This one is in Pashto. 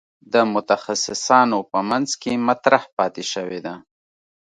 د متخصصانو په منځ کې مطرح پاتې شوې ده.